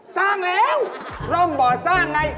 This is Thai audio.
สร้างแล้วร่องบ่อสร้างไง